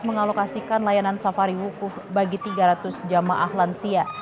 mengalokasikan layanan safari wukuf bagi tiga ratus jamaah lansia